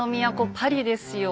パリですよ。